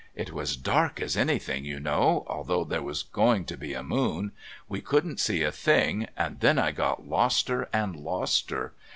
"It was dark as anything, you know, although there was going to be a moon. We couldn't see a thing, and then I got loster and loster.